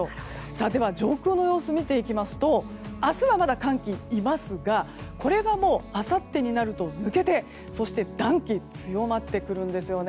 では上空の様子を見ていきますと明日はまだ寒気、いますがこれがあさってになると抜けてそして暖気、強まってくるんですよね。